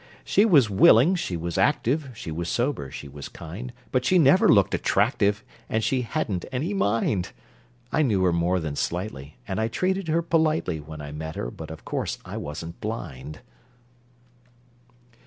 She was willing, she was active, She was sober, she was kind, But she never looked attractive And she hadn't any mind! I knew her more than slightly, And I treated her politely When I met her, but of course I wasn't blind!